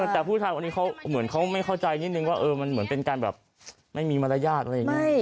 แต่ผู้ชายคนนี้เขาเหมือนเขาไม่เข้าใจนิดนึงว่ามันเหมือนเป็นการแบบไม่มีมารยาทอะไรอย่างนี้